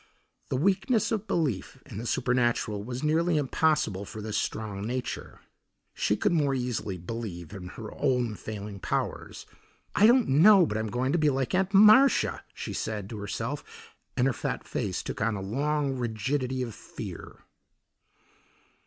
The weakness of belief in the supernatural was nearly impossible for this strong nature. She could more easily believe in her own failing powers. "I don't know but I'm going to be like Aunt Marcia," she said to herself, and her fat face took on a long rigidity of fear.